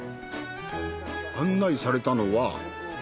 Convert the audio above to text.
案内されたのは。